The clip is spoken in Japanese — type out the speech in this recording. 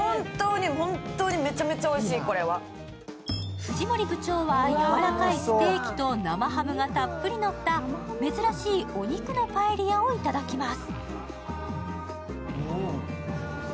藤森部長は、やわらかいステーキと生ハムがたっぷりのった珍しいお肉のパエリアをいただきます。